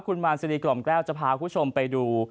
คุณมานซีรีกล่อมแก้วจะพาคุณผู้ชมไปดู